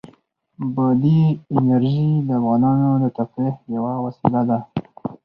بادي انرژي د افغانانو د تفریح یوه وسیله ده.